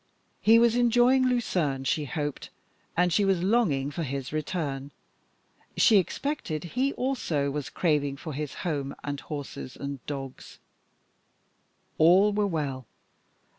He was enjoying Lucerne, she hoped, and she was longing for his return. She expected he also was craving for his home and horses and dogs. All were well.